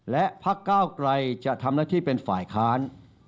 และพักก้าวไกรจะทำหน้าที่เป็นฝ่ายค้าน